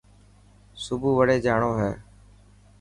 سڀو وڙي جاڻو هي.